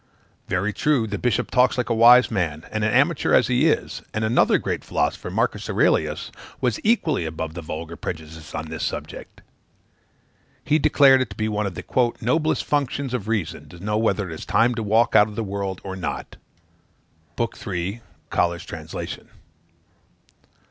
Very true; the bishop talks like a wise man and an amateur, as he is; and another great philosopher, Marcus Aurelius, was equally above the vulgar prejudices on this subject. He declares it to be one of "the noblest functions of reason to know whether it is time to walk out of the world or not." (Book III., Collers' Translation.)